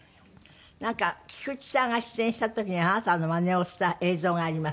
なんか菊池さんが出演した時にあなたのまねをした映像があります。